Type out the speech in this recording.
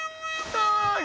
それ！